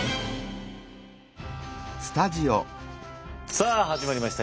さあ始まりました。